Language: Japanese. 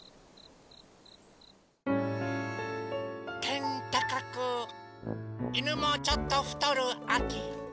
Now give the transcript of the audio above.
てんたかくいぬもちょっとふとるあき。